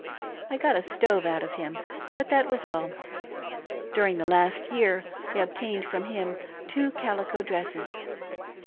I got a stove out of him, but that was all. During the last year I only obtained from him two calico dresses.